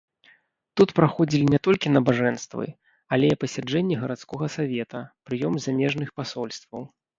Тут праходзілі не толькі набажэнствы, але і пасяджэнні гарадскога савета, прыём замежных пасольстваў.